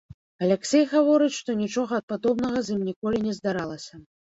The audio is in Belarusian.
Аляксей гаворыць, што нічога падобнага з ім ніколі не здаралася.